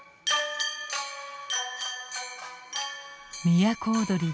都をどり